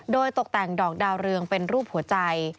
โดยตกแต่งดอกดาวเรืองเป็นรูปหัวใจ